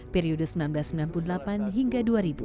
periode seribu sembilan ratus sembilan puluh delapan hingga dua ribu